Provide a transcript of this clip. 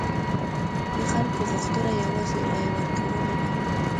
د خلکو غوښتنه یوازې رایه ورکونه نه وه.